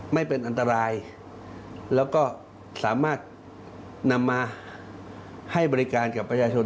ไม่เป็นอันตรายแล้วก็สามารถนำมาให้บริการกับประชาชน